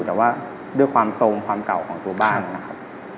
แต่ว่าด้วยความทรงความเก่าของตัวบ้านนะครับ